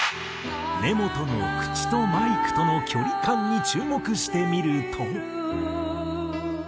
根本の口とマイクとの距離感に注目してみると。